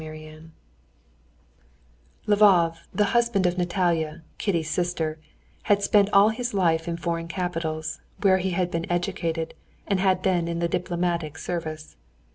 Chapter 4 Lvov, the husband of Natalia, Kitty's sister, had spent all his life in foreign capitals, where he had been educated, and had been in the diplomatic service.